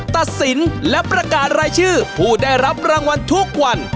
ตัดสินและประกาศรายชื่อผู้ได้รับรางวัลทุกวัน